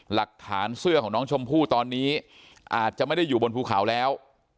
หลักฐานเสื้อของน้องชมพู่ตอนนี้อาจจะไม่ได้อยู่บนภูเขาแล้ว